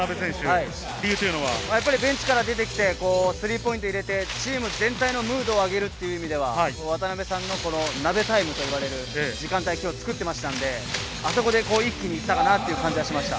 ベンチから出てきてスリーポイントを入れて、チーム全体のムードを上げるという意味では渡邉さんのナベタイムといわれる時間帯を作っていましたので、あそこで一気に行ったかなと思いました。